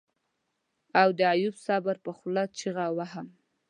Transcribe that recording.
او د ايوب صابر په خوله چيغه وهم.